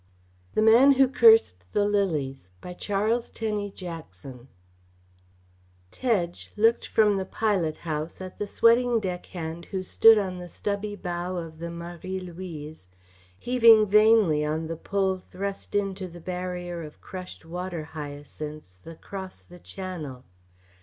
THE MAN WHO CURSED THE LILIES By CHARLES TENNEY JACKSON From Short Stories Tedge looked from the pilot house at the sweating deckhand who stood on the stubby bow of the Marie Louise heaving vainly on the pole thrust into the barrier of crushed water hyacinths across the channel.